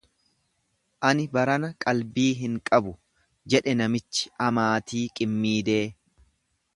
Ani barana qalbii hin qabu, jedhe namichi amaatii qimmiidee.